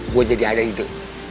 gue jadi ada ide